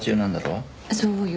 そうよ。